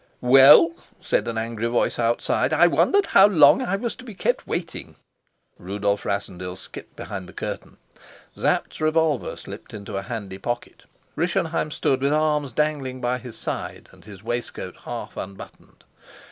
"Well," said an angry voice outside, "I wondered how long I was to be kept waiting." Rudolf Rassendyll skipped behind the curtain. Sapt's revolver slipped into a handy pocket. Rischenheim stood with arms dangling by his side and his waistcoat half unbuttoned.